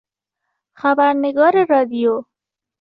خبرنگار رادیو